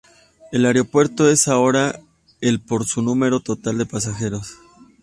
El aeropuerto es ahora el por su número total de pasajeros.